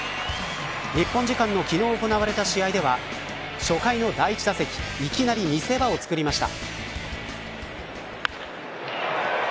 日本時間の昨日行われた試合では初回の第１打席、いきなり見せ場を作りました。